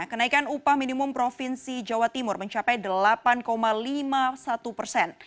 kenaikan upah minimum provinsi jawa timur mencapai delapan lima puluh satu persen